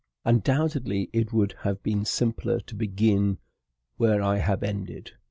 Undoubtedly, it would have been simpler to begin where I have ended.